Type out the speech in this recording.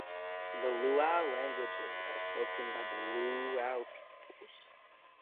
The Luo Languages are languages spoken by the Luo peoples.